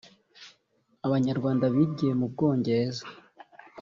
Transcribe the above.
Abanyarwanda bigiye mu Bwongereza